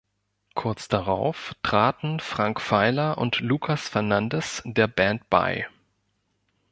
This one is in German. Kurz darauf traten Frank Feiler und Lucas Fernandez der Band bei.